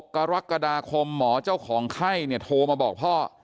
กรกฎาคมหมอเจ้าของไข้เนี่ยโทรมาบอกพ่อ